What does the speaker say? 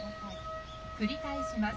繰り返します。